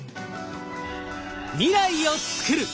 未来をつくる！